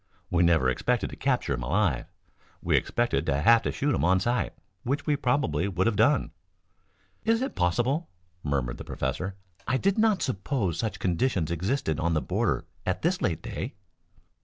We never expected to capture him alive. We expected to have to shoot him on sight, which we probably would have done." "Is it possible?" murmured the professor. "I did not suppose such conditions existed on the border at this late day."